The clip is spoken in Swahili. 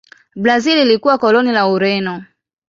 Brazil ilikuwa koloni la Ureno.